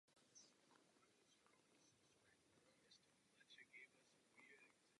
Postupně vystudoval Vysokou školu technickou a Vysokou školu obchodní v Praze.